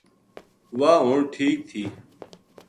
واہ ہُن ٹھیک تھی